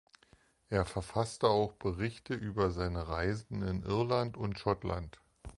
Er verfasste auch Berichte über seine Reisen in Irland und Schottland.